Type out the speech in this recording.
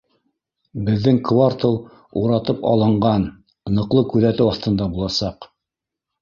Беҙҙең квартал уратып алынған, ныҡлы күҙәтеү аҫтында буласаҡ